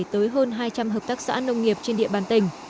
tới hơn hai trăm linh hợp tác xã nông nghiệp trên địa bàn tỉnh